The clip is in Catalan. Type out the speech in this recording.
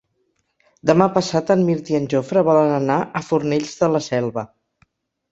Demà passat en Mirt i en Jofre volen anar a Fornells de la Selva.